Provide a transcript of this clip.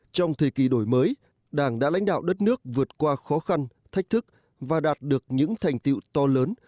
trong thời kỳ đổi mới đảng đã lãnh đạo đất nước vượt qua khó khăn thách thức và đạt được những thành tiệu to lớn